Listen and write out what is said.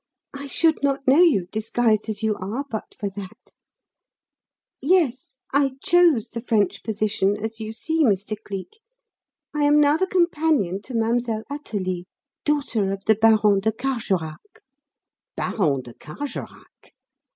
I should not know you, disguised as you are, but for that. Yes, I chose the French position, as you see, Mr. Cleek. I am now the companion to Mademoiselle Athalie, daughter of the Baron de Carjorac." "Baron de Carjorac?